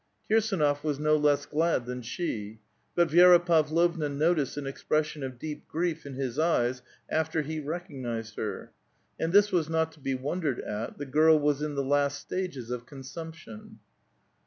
Kirsdnof was no less glad than she. But Vi^ra Pavlovna noticed an expression of deep grief in his eyes, after he rec ognized her. And this was not to be wondered at ; the girl was in the last stages of consumption.